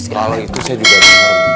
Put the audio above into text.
kalau itu saya juga setuju